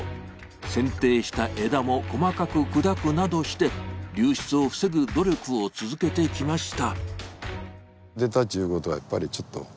せんていした枝も細かく砕くなどして流出を防ぐ努力を続けてきました。